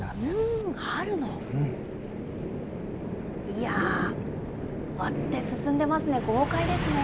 いやー、割って進んでますね、豪快ですね。